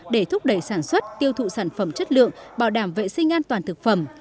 để thúc đẩy sản xuất tiêu thụ sản phẩm chất lượng bảo đảm vệ sinh an toàn thực phẩm